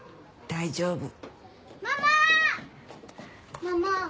大丈夫。